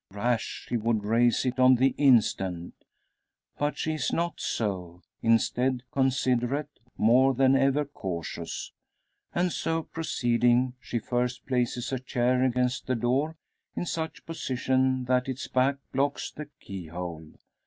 Rash she would raise it on the instant. But she is not so; instead considerate, more than ever cautious. And so proceeding, she first places a chair against the door in such position that its back blocks the keyhole.